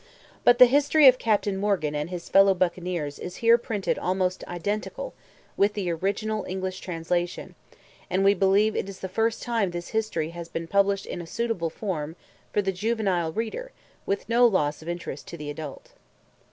But, the history of Captain Morgan and his fellow buccaneers is here printed almost identical with the original English translation, and we believe it is the first time this history has been published in a suitable form for the juvenile reader with no loss of interest to the adult.